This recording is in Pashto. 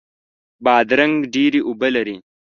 بادرنګ ډیرې اوبه لري.